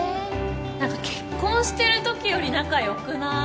何か結婚してるときより仲良くない？